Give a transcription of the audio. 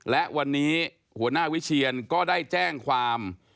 และวันนี้หัวหน้าวิเชียนก็ได้แจ้งความ